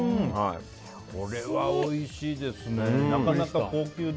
これはおいしいですね。